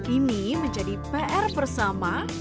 ini menjadi pr bersama